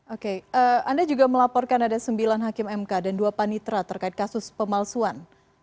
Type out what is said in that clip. oke anda juga melaporkan ada sembilan hakim mk dan dua panitra terkait kasus pemalsuan